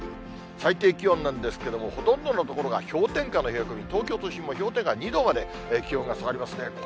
最低気温なんですけども、ほとんどの所が氷点下の冷え込み、東京都心も氷点下２度まで気温が下がりますね。